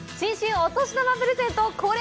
お年玉プレゼントコレ！